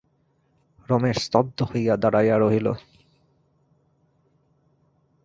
রমেশ স্তব্ধ হইয়া দাঁড়াইয়া রহিল।